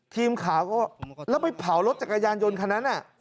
ทีมข่าวก็แล้วไปเผารถจักรยานยนต์คันนั้น